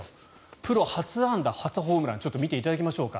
プロ初安打、初ホームランちょっと見ていただきましょうか。